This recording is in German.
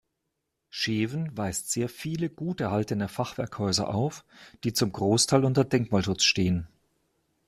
Scheven weist sehr viele gut erhaltene Fachwerkhäuser auf, die zum Großteil unter Denkmalschutz stehen.